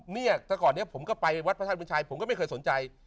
เนี่ยแต่ก่อนนี้ผมก็ไปวัดพระธาตุบุญชัยผมก็ไม่เคยสนใจ